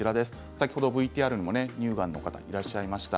先ほどＶＴＲにも乳がんの方がいらっしゃいました。